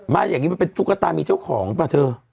อย่างนี้มันเป็นตุ๊กตามีเจ้าของป่ะเธอ